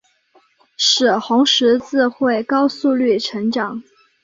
使红十字会高速率成长。